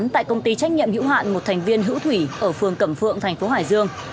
tại công ty trách nhiệm hữu hạn một thành viên hữu thủy ở phường cẩm phượng thành phố hải dương